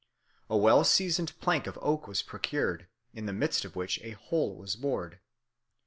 A well seasoned plank of oak was procured, in the midst of which a hole was bored.